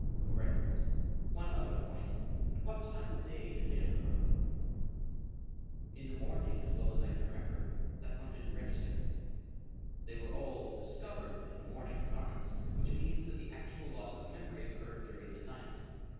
"Correct. One other point. At what time of day did they occur?" "In the morning, as well as I can remember. That point didn't register." "They were all discovered in the morning, Carnes, which means that the actual loss of memory occurred during the night.